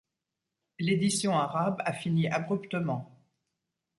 L'édition arabe a fini abruptement.